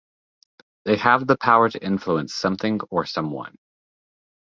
They have the power to influence something or someone.